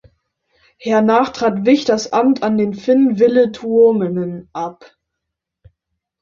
Hernach trat Wich das Amt an den Finnen Ville Tuominen ab.